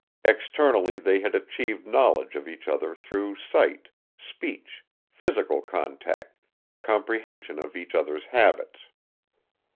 Externally they had achieved knowledge of each other through sight, speech, physical contact, comprehension of each other's habits.